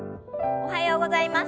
おはようございます。